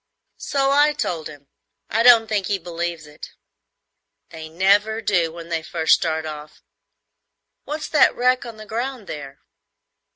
"So I told him. I don't think he believes it." "They never do when they first start off. What's that wreck on the ground there?"